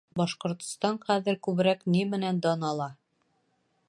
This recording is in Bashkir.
— Башҡортостан хәҙер күберәк ни менән дан ала?